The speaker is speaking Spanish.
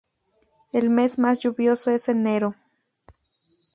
El mes más lluvioso es enero.